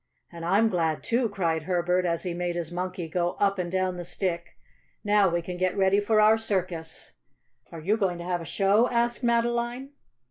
"And I'm glad, too," cried Herbert, as he made his Monkey go up and down the Stick. "Now we can get ready for our circus." "Are you going to have a show?" asked Madeline.